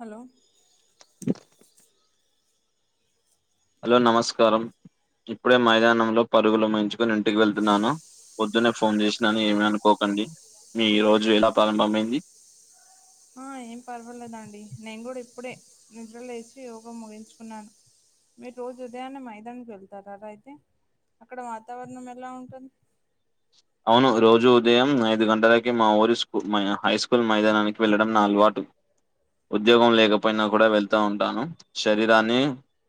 hello hello నమస్కారం ఇప్పుడే మైదానంలో పరుగులు ముగించుకుని ఇంటికి వెళ్తున్నాను పొద్దునే ఫోన్ చేసినాను ఏమి అనుకోకండి మీ ఈ రోజు ఎలా ప్రారంభమైంది ఆ ఏం పర్వాలేదండి నేను కూడా ఇప్పుడే నిద్రలే లేచి యోగ ముగించుకున్నాను మీరు రోజు ఉదయాన్నె మైదానికి వెళ్తారారా అయితే అక్కడ వాతావరణం ఎలా ఉంటుం అవును రోజు ఉదయం ఐదు గంటలకి మాఊరి స్కూ హైస్కూల్ మైదానానికి వెళ్ళడం నా అలవాటు ఉద్యోగం లేకపోయినా కూడా వెళ్తా ఉంటాను శరీరాన్ని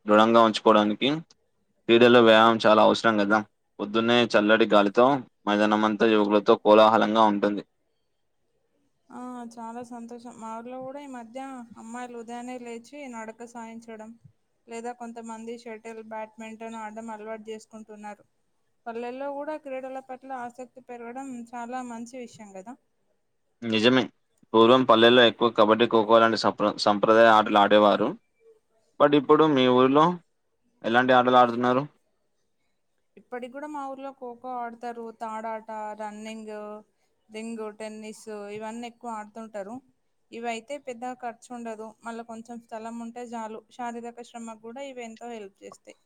దృఢంగా ఉంచుకోడానికి క్రీడల్లో వ్యాయామం చాలా అవసరం కదా పొద్దున్నే చల్లటి గాలితో మైదనమంతా యువకులతో కోలాహలంగా ఉంటుంది ఆ చాలా సంతోషం మాఊళ్లో కూడా ఈ మధ్య అమ్మాయిలు ఉదయాన్నే లేచి నడక సాయించడం లేదా కొంతమంది షటిల్ బ్యాట్మింటన్ ఆడం అలవాటు చేసుకుంటున్నారు పల్లెల్లో కూడా క్రీడల పట్ల ఆసక్తి పెరగడం చాలా మంచి విషయం కదా నిజమే పూర్వం పల్లెల్లో ఎక్కువ కబడ్డీ ఖోఖో లాంటి సప్ర సంప్రదాయ ఆటలు ఆడేవారు బట్ ఇప్పుడు మీ ఊర్లో ఎలాంటి ఆటలు ఆడుతున్నారు ఇప్పటికూడా మా ఊర్లో ఖోఖో ఆడతారు తాడాట రన్నింగ్ రింగు టెన్నిసు ఇవన్నీ ఎక్కువ ఆడుతుంటారు ఇవైతే పెద్దగా ఖర్చు ఉండదు మళ్ళ కొంచెం స్థలం ఉంటే చాలు శారీరక శ్రమ కూడా ఈవెం తో హెల్ప్ చేస్తాయ్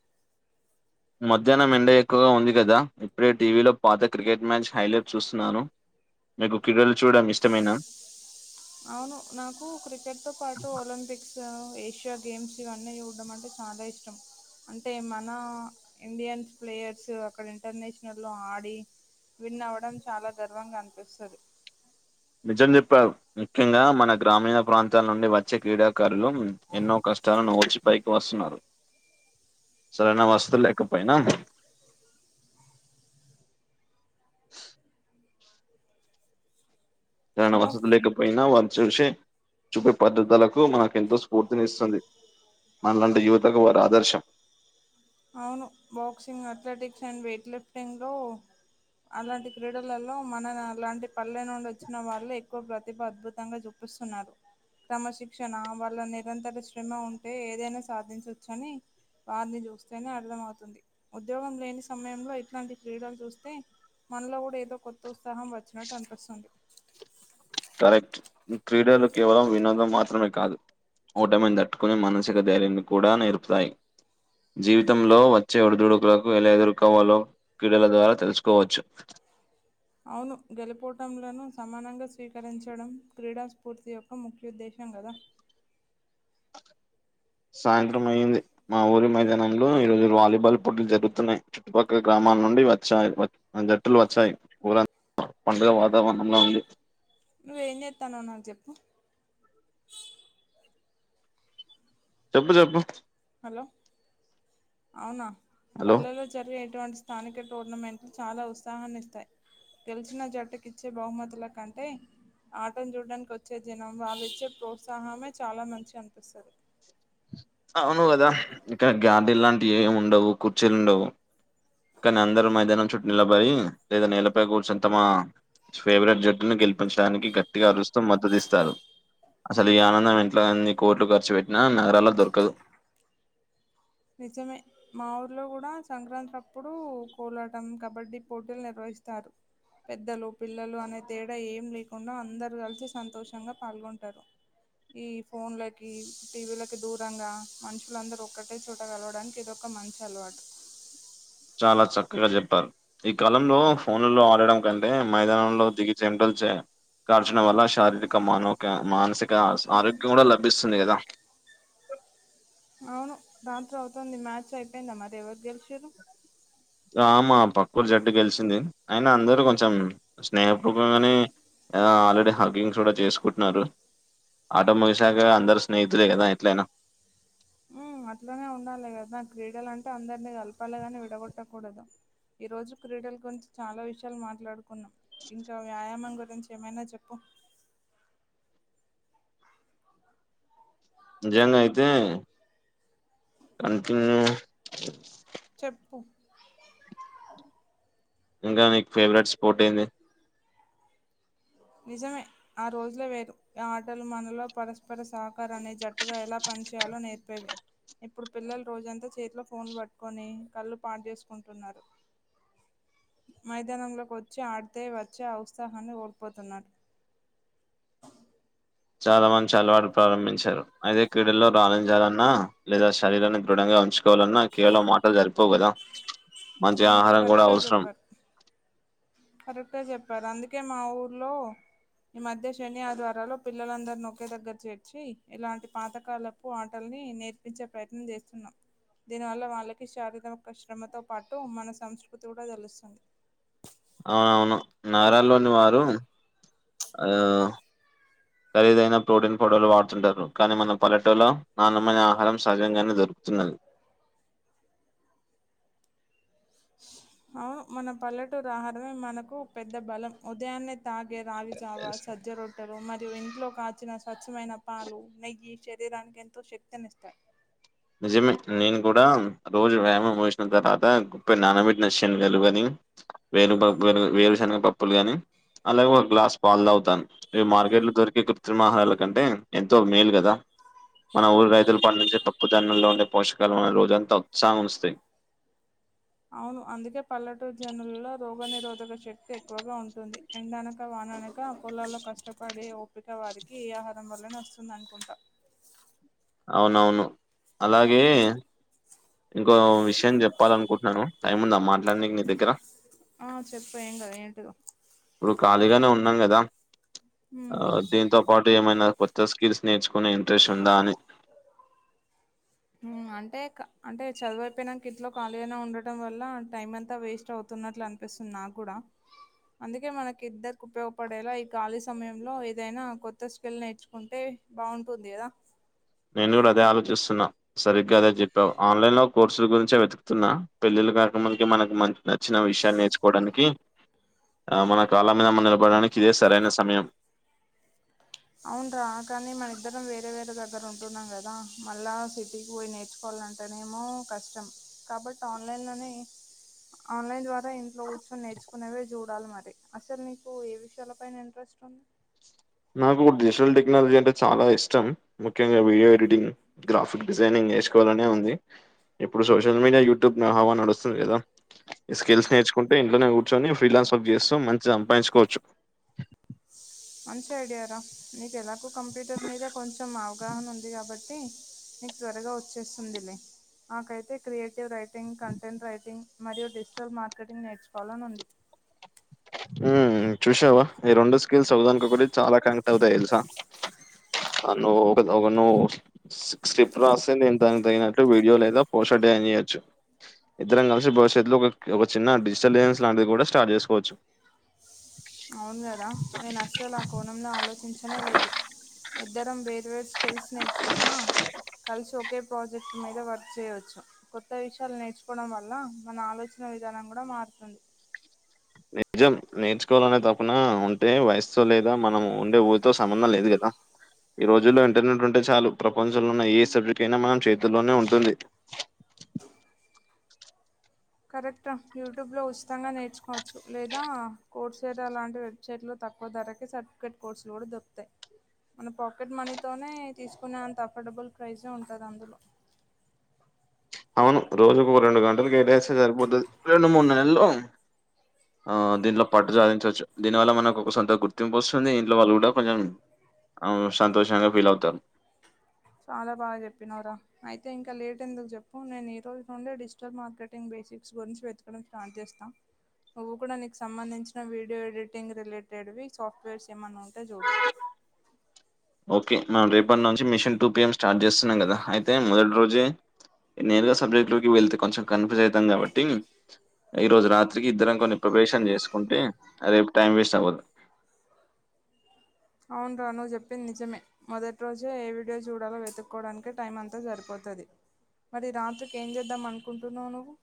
మధ్యాహ్నం ఎండ ఎక్కువగా ఉంది కదా ఇప్పుడే టీవీలో పాత క్రికెట్ మ్యాచ్ హైలైట్ చూస్తున్నాను మీకు క్రీడలు చూడం ఇష్టమైన అవును నాకు క్రికెట్‌తో పాటు ఒలింపిక్స్ ఏషియా గేమ్స్ ఇవన్నీ చూడం అంటే చాలా ఇష్టం అంటే మన ఇండియన్స్ ప్లేయర్స్ అక్కడ ఇంటర్నేషనల్లో ఆడి విన్ అవ్వడం చాలా గర్వంగా అనిపిస్తాది నిజం చెప్పవ్ ముఖ్యంగా మన గ్రామీణ ప్రాంతాల నుండి వచ్చే క్రీడాకారులు ఎన్నో కష్టాలను మోచి పైకి వస్తున్నారు సరైన వసతులు లేకపోయినా సరైన హలో వసతులు లేకపోయినా వాళ్ళ చూసి చూపే పద్ధతులకు మనకు ఎంతో స్ఫూర్తిని ఇస్తుంది మనలాంటి యువతకు వారు ఆదర్శం అవును బాక్సింగ్ అథ్లెటిక్స్ అండ్ వెయిట్ లిఫ్టింగ్లో అలాంటి క్రీడలలో మన అలాంటి పల్లె నుండి వచ్చిన వాళ్ళు ఎక్కువ ప్రతిభ అద్భుతంగా చూప్పు పిస్తున్నారు క్రమ శిక్షణ వాళ్ళ నిరంతర శ్రమ ఉంటే ఏదైనా సాధించవచ్చు అని వారిని చూస్తేనే అర్థమవుతుంది ఉద్యోగం లేని సమయంలో ఇట్లాంటి క్రీడలు చూస్తే మనలో కూడా ఏదో కొత్త ఉత్సాహం వచ్చినట్టు అనిపిస్తుంది కరెక్ట్ క్రీడలు కేవలం వినోదం మాత్రమే కాదు ఓటమిని తట్టుకునే మానసిక ధైర్యాన్ని కూడా నేర్పుతాయి జీవితంలో వచ్చే ఒడిదుడుకులకు ఎలా ఎదుర్కోవాలో క్రీడల ద్వారా తెలుసుకోవచ్చు అవును గెలుపోటములను సమానంగా స్వీకరించడం క్రీడా స్ఫూర్తి యొక్క ముఖ్యోద్దేశం కదా సాయంత్రం అయింది మా ఊరి మైదానంలో ఈరోజు వాలీబాల్ పోటీలు జరుగుతున్నాయి చుట్టుపక్కల గ్రామా నుండి వా జట్టులు వచ్చాయి ఊర పండుగ వాతావరణంలో ఉంది నువ్వేం చేస్తాన్నావు నాకు చెప్పు చెప్పు చెప్పు హలో అవునా హలో పల్లెలో జరిగే ఇటువంటి స్థానిక టోర్నమెంట్లు చాలా ఉత్సాహాన్ని ఇస్తాయి తెలిసిన జట్టుకి ఇచ్చే బహుమతుల కంటే ఆటం చూడడానికి వచ్చే జనం వాళ్ళు ఇచ్చే ప్రోత్సాహమే చాలా మంచి అనిపిస్తది అవును కదా ఇంకా గార్డీ లాంటివి ఏమి ఉండవు కుర్చీలు ఉండవు కానీ అందరూ మైదానం చుట్టు నిలబడి లేదా నీలపై కూర్చునింతమ ఫేవరెట్ జట్టును గెలిపించడానికి గట్టిగా అరుస్తూ మద్దతు ఇస్తారు అసలు ఈ ఆనందం ఇంట్ల అన్ని కోర్ట్లు ఖర్చు పెట్టినా నగరాల్లో దొరకదు నిజమే మా ఊర్లో కూడా సంక్రాంతి అప్పుడు కోలాటం కబడ్డీ పోటీలు నిర్వహించ స్తారు పెద్దలు పిల్లలు అనే తేడా ఏం లేకుండా అందరు కలిసి సంతోషంగా పాల్గొంటారు ఈ ఫోన్లకి టీవీలకి దూరంగా మనుషులందరూ ఒక్క అట్టే చూడగలవడానికి ఇదొక మంచి అలవాటు చాలా చక్కగా చెప్పారు ఈ కాలంలో ఫోన్లో ఆడడం కంటే మైదానంలో దిగి చె చే దార్చడం వల్ల శారీరక మానోక మానసిక ఆరోగ్యం కూడా లభిస్తుంది కదా ఓ అవును రాత్రి అవుతుంది మ్యాచ్ అయిపోయిందా మరి ఎవరు గెలిచారు ఆ మా పక్కరు జట్టు గెలిసింది ఆయిన అందరు కొంచెం స్నేహపూర్వకంగానే ఆ ఆల్రెడీ హాకింగ్స్ కూడా చేసుకుంటున్నారు ఆట ముగిశాక అందరు స్నేహితులే కదా ఎట్లయినా అట్లానే ఉండాలి కదా క్రీడలు అంటే అందరినీ కలపాలి గాని విడగొట్టకూడదు ఈ రోజు క్రీడల గురించి చాలా విషయాలు మాట్లాడుకు కున్నాం ఇంకా వ్యాయామం గురించి ఏమైనా చెప్పు జంన్ అయితే కంటిన్యూ చెప్పు ఇంకా నీకు ఫేవరెట్ స్పోర్ట్ ఏంది నిజమే ఆ రోజులో వేరు ఆటలు మనలో పరస్పర సహకారాన్ని జట్టుగా ఎలా ప చేయాల నేర్పేవి ఇప్పుడు పిల్లలు రోజంతా చేతిలో ఫోన్లు పట్టుకొని కళ్ళు పాడు చేసుకుంటున్నారు మైదానంలోకి వచ్చి ఆడితే వచ్చే ఉత్సాహాన్ని పొతున్నాడు చాలా మంచి అలవాటు ప్రారంభించారు అయితే క్రీడల్లో రాణింజాలన్నా లేదా శరీరాన్ని దృఢంగా ఉంచు ఎవాలన్నా కేవలం మాటలు సరిపోవు కదా మంచి అవును ఆహారం కూడా అవసరం కరెక్ట్గా చెప్పారు అందుకే మా ఊర్లో ఈ మధ్య శని ఆదివారాల్లో పిల్లలందరినీ ఒకే దగ్గర చేర్చి ఇలాంటి పాతకాలపు ఆటని నేర్పించే ప్రయత్నం చేస్తున్నాం దీనివల్ల వాళ్ళకి శారీరక శ్రమతో పాటు మన సంస్కృతి కూడా తెలుస్తుంది అవునవును నగరల్లోని వారు ఆ ఖరీదైన ప్రోటీన్ పౌడర్లు వాడుతుంటారు కానీ మన పల్లెటులో నాణ్యమైన ఆహారం సహజంగానే ఉతునల్ [unintelligible] అవును మన పల్లెటూరు ఆహారమే మనకు పెద్ద బలం ఉదయాన్నే తాగే రాగిజావ ఎస్, సజ్జ రొట్టెలు మరియు ఇంట్లో కాచిన స్వచ్చ్చమైన పాలు నెయ్యి శరీరానికి ఎంతో శక్తిని ఇస్తాయి నిజమే నేను కూడా రోజు వ్యాయామం చేసిన తర్వాత గుప్పెడు నానబెట్టిన శనగలు అని వేరు బొబ్బలు వేరుశనగ పప్పులు గాని అలాగే ఒక గ్లాస్ పాలు తాగుతాను ఇగ మార్కెట్లు దొరికే కృత్రిమ ఆహారాల కంటే ఎంతో మేలు కదా మన ఊరు రైతులు పండించే పప్పు ధాన్యం లో ఉండే పోషకాలు మనని రోజంతా ఉత్సాహం గా వుంచుతాయి అవును అందుకే పల్లటూరు జనుల్లో రోగ నిరోధ గ శక్తి ఎక్కువగా ఉంటుంది ఎండనక వాననక పొలాల్లో కష్టపడి అందుకే వారికి ఈ ఆహారం వల్లనే వస్తుంది అనుకుంటా అవునవును అలాగే ఇంకో విషయం చెప్పాల అనుకుంటున్నాను టైం ఉందా మాట్లాడడానికి నీ దగ్గర ఆ చెప్ప ఏం కాదు ఏంటిదొ ఇప్పుడు ఖాళీగానే ఉన్నాం కదా ఉమ్ ఆ దీంతో పాటు ఏమైనా కొత్త స్కిల్స్ నేర్చుకునే ఇంట్రెస్ట్ ఉందా అని ఉం అంటే అంటే చదువైపోయినాక ఇంట్లో ఖాళీ గానే ఉండటం వల్ల టైం అంతా వేస్ట్ అవుతుంది న్నట్లు అనిపిస్తుంది నాకు కూడా అందుకే మనకి ఇద్దరికి ఉపయోగపడేలా ఈ ఖాళీ సమయంలో ఏదైనా కొత్త స్కల్ నేర్చుకుంటే బావుంటుంది కదా నేను కూడా అదే ఆలోచిస్తున్నా సరిగ్గా అదే చెప్పావు ఆన్లైన్ లో కోర్సుల గురించే వెతుకుతున్న పెళ్ళి కాక మునకే మనకు మ నచ్చిన విషయాలు నేర్చుకోవడానికి ఆ మన కాళ మీద మన నిలబడడానికి ఇదే సరైన సమయం అవున రా కానీ మన ఇద్దరం వేరే వేరే ద దగ్గర ఉంటున్నాం కదా మళ్ళా సిటీకి పోయి నేర్చుకోవాలింటేనేమో కష్టం కాబట్టి ఆన్లైన్ లోనే ఆన్లైన్ ద్వారా ఇంట్లో కూర్చొని నేర్చుకునేవే చూడాలి మరి అసలు నీకు ఏ విషయాలపైైన ఇంట్రెస్ట్ ఉంది వి నాకు డిజిటల్ టెక్నాలజీ అంటే చాలా ఇష్టం ముఖ్యంగా వీడియో ఎడిటింగ్ గ్రాఫిక్ డిజైనింగ్ నేర్చుకోవాలనే ఉంది ఇప్పుడు సోషల్ మీడియా యూట్యూబ్ హావా నడుస్తుంది కదా ఈ స్కిల్స్ నేర్చుకుంటే ఇంట్లోనే కూర్చొని ఫ్రీలాన్స్ వర్క్ చేస్తూ మంచి సంపాదించుకోవచ్చు మంచి ఐడియారా నీకు ఎలాగు కంప్యూటర్ మీద కొంచెం అవగాహన ఉంది కాబట్టి నీకు త్వరగా వచ్చేస్తుందిలే నాకైతే క్రియేటివ్ రైటింగ్ కంటెంట్ రైటింగ్ మరియు డిజిటల్ మార్కెటింగ్ నేర్చుకోవాలని ఉంది ఉం చూసావ ఈ రెండు స్కిల్స్ ఒక దానుకొకటి చాలా కనెక్ట్ అవుతాయి తెలుసా నువ్వు ఒక ఒక నువ్వు స్క్రిప్ట్ రాస్తే నేను దానికి తగినట్లు వీడియో లేదా పోష చేయచ్చు ఇద్దరం కలిసి భవిష్యత్తులో ఒక చిన్న డిజిటల్ బిజినెస్స్ లాంటిది కూడా స్టార్ట్ చేసుకోవచ్చు అవును కదా నేను అసలు ఆ కోణంలో ఆలోచించనే లేదు ఇద్దరం వేర్ వేరు స్కిల్స్ నేర్చుకున్నా కలిసి ఒకే ప్రాజెక్ట్ మీద వర్క్ చేయవచ్చు కొత్త విషయాలు నేర్చుకోవడం వల్ల మన ఆలోచన విధానం కూడా మారుతుంది నిజం నేర్చుకోవాలనే తప్పున ఉంటే వయస్సుతో లేదా మనం ఉండే ఊరితో సంబంధం లేదు కదా ఆ ఈ రోజుల్లో ఇంటర్నెట్ ఉంటే చాలు ప్రపంచంలో ఉన్న ఏ సబ్జెక్ట్ అయినా మనం చేతుల్లోనే ఉంటుంది కరెక్ట్ర యూట్యూబ్లో ఉచితంగా నేర్చుకోవచ్చు లేదా కోడ్సేరా లాంటి వెబ్సైట్ లో తక్కువ ధరకే సర్టిఫికేట్ కోర్సులు కూడా దొరుకుతాయి మన పాకెట్ మనీ తోనే తీసుకునే అంత అఫోర్డబుల్ ప్రైసే ఉంటది అందులో అవును రోజుకో రెండు గంటలు కేటయిస్తె సరిపోతది రెండు మూడు నెలల్లో ఆ దీంట్లో పట్టు సాధించచ్చు దీనివల్ల మనకు ఒక సొంత గుర్తింపు వస్తుంది ఇంట్లో వాళ్ళు కూడా కొంచెం అవును సంతోషంగా ఫీల్ అవుతారు చాలా బా చెప్పినవ్ర అయితే ఇంకా లేట్ ఎందుకు చెప్పు నేను ఈ రోజు నుండే డిజిటల్ మార్కెటింగ్ట్ బె సిక్స్ గురించి వెతకడం స్టార్ట్ చేస్తా నువ్వు కూడా నీకు సంబంధించిన వీడియో ఎడిటింగ్ రిలేటెడ్వి సాఫ్ట్వేర్స్ ఏమైన్నా ఉంటే చూడు ఓకే మనం రేపటి నుంచి మిషన్ టూ పిఎం స్టార్ట్ జేస్తున్నాం కదా అయితే మొదటి రోజే నేనుగా సబ్జెక్ట్ లోకి వెళ్తే కొంచెం కన్ఫ్యూజ్ అయితాం కాబట్టి ఈ రోజు రాత్రికి ఇద్దరం కొన్ని ప్రిపరేషన్ చేసుకుంటే ఆ రేపు టైం వేస్ట్ అవ్వద్దు అవును రా నువ్వు చెప్పింది నిజమే మొదటి రోజే ఏ వీడియో చూడాలో వెతుక్కోవడానికి టైం అంతా సరిపో తది మరి ఈ రాత్రికి ఏం చేద్దాం అనుకుంటున్నావు నువ్వు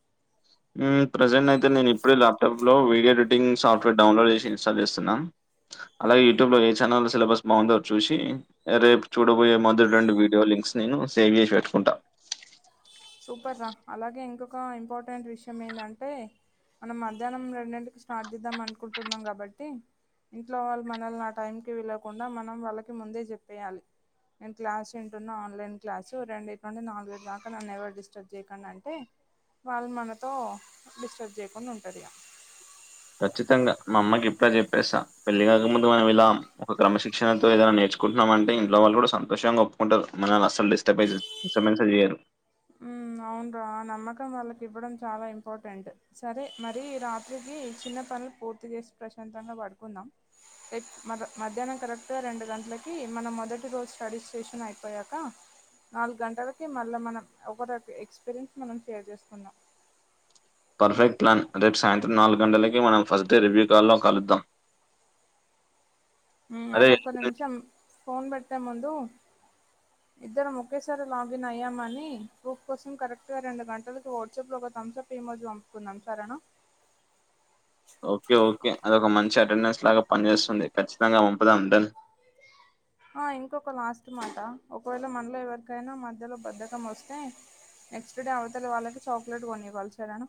మ్ ప్రజెంట్ అయితే నేను ఇప్పుడు ల్యాప్టాప్లో వీడియో ఎడిటింగ్ సాఫ్ట్వేర్ డౌన్లోడ్ చేసి ఇన్స్టాల్ చేస్తున్నా అలాగే యూట్యూబ్లో ఏ ఛానల్ సిలబస్ బాందో చూసి రేపు చూడబోయే మొదటి రెండు వీడియోలు అంక్స్ నేను సేవ్ చేసి పెట్టుకుంటా సూపర్ర అలాగే ఇంకొక ఇంపార్టెంట్ విషయం ఏందంటే మనం మధ్యాహ్నం రెండింటికి స్టార్ట్ చేద్దాం అనుకుంటున్నాం కాబట్టి ఇంట్లో వాళ్ళు మనల్ని నా టైంకి పిలవకుండా మనం వాళ్ళకి ముందే చెప్పేయాలి నేను క్లాస్ ఇంటున్నా ఆన్లైన్ క్లాసు రెండు ఇంటి నుండి నాలుగు ఐదు దాకా నన్ను ఎవరు డిస్టర్బ్ చేయకండి అంటే వాళ్ళు మనతో డిస్టర్బ్ చేయకుండా ఉంటారిగ ఖచ్చితంగా మా అమ్మకి ఇప్పుడే చెప్పేస పెళ్లి కాకముందు మనం ఇలా ఒక క్రమశిక్షణతో ఏదైనా నేర్ ర్చుకుంటున్నాం అంటే ఇంట్లో వాళ్ళు కూడా సంతోషంగా ఒప్పుకుంటారు మనల్ని అసలు డిస్టబేసస్ స్టబెన్సె చేయరు ఉమ్ అవున్రా ఆ నమ్మకం వాళ్ళకి ఇవ్వడం చాలా ఇంపార్టెంట్ సరే మరి రాత్రికి కి ఇచ్చిన్న పని పూర్తి చేసి ప్రశాంతంగా పడుకుందాం ఎ మద మధ్యాహ్నం కరెక్ట్గా రెండు గంట్లకి మనం మొదటి రోజు స్టడీ స్టేషన్ అయిపోయాక నాలుగు గంటలకి మళ్ళా మనం ఒక రెప్కి ఎక్స్పీరియన్స్ మనం షేర్ చేసుకుందాం పర్ఫెక్ట్ ప్లాన్ రేపు సాయంత్రం నాలుగు గంటలకి మనం ఫస్ట్ డే రివ్యూ కాల్లో కలుద్దాం అరే ఒక నిమిషం ఫోన్ బెట్టే ముందు ఇద్దరం ఒకేసారి లాగిన్ అయ్యామని ప్రూఫ్ కోసం కరెక్ట్గా రెండు గంటలకు వాట్సాప్లో థమ్ అప్ ఏమోజు పంపుకుందాం సరేనా ఓకే ఓకే అదొ ఒక మంచి అటెండెన్స్ లాగా పనిచేస్తుంది ఖచ్చితంగా పంపుదాం డన్ ఆ ఇంకొక లాస్ట్ మాట ఒకవేళ మనలో ఎవరికైనా మధ్యలో బద్ధకం వస్తే నెక్స్ట్ డే అవతల వాళ్ళకి చక్లేట్ కొని ఇవ్వాలి సరేన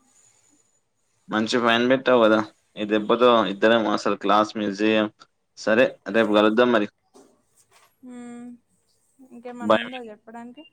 మంచి పైన్ బెట్టావు కదా ఈ దెబ్బతో ఇద్దరం అసలు క్లాస్ మ్యూజియం సరే రేపు కలుద్దాం మరి మ్ ఇంకేమన్నా ఉందా చెప్పడానికి